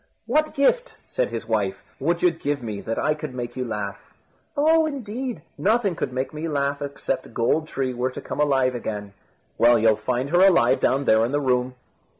"What gift," said his wife, "would you give me that I could make you laugh?" "Oh! indeed, nothing could make me laugh, except Gold tree were to come alive again." "Well, you'll find her alive down there in the room."